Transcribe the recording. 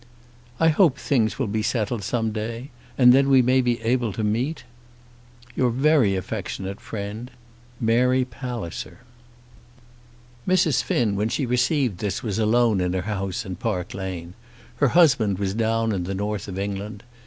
] I hope things will be settled some day, and then we may be able to meet. Your very affectionate Friend, MARY PALLISER. Mrs. Finn, when she received this, was alone in her house in Park Lane. Her husband was down in the North of England.